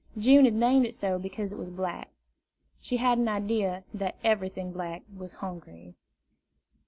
June had named it so because it was black. She had an idea that everything black was hungry.